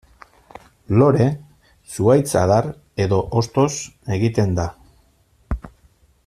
Lore, zuhaitz adar edo hostoz egiten da.